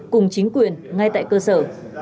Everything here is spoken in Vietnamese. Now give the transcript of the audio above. cùng chính quyền ngay tại cơ sở